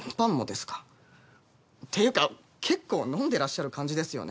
ていうか結構飲んでらっしゃる感じですよね。